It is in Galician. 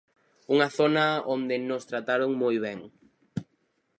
Unha zona onde nos trataron moi ben.